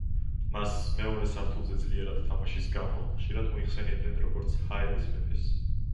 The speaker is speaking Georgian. მას მეორე სართულზე ძლიერად თამაშის გამო, ხშირად მოიხსენიებდნენ, როგორ ჰაერის მეფეს.